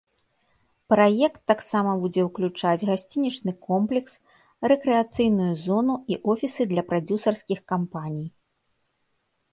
Праект таксама будзе ўключаць гасцінічны комплекс, рэкрэацыйную зону і офісы для прадзюсарскіх кампаній.